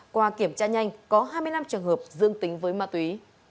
qua kiểm tra nhanh có hai mươi năm trường hợp dương tính với ma túy